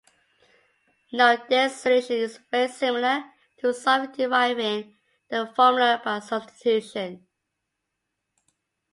Note this solution is very similar to solving deriving the formula by substitution.